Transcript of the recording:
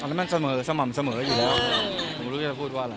นั่นมันเสมอสม่ำเสมออยู่แล้วผมรู้จะพูดว่าอะไร